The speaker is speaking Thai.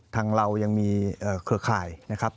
ทางเรายังมีเครือข่ายนะครับ